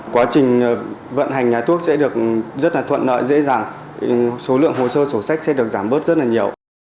quá trình vận hành nhà thuốc sẽ được rất thuận nợ dễ dàng số lượng hồ sơ sổ sách sẽ được giảm bớt rất nhiều